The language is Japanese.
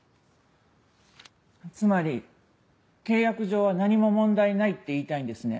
つまり契約上は何も問題ないって言いたいんですね